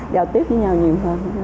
đào tiếp với nhau nhiều hơn